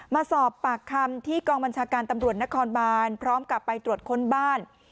มาสอบปากคำที่กองบัญชาการตำรวจนครบานพร้อมกับไปตรวจค้นบ้าน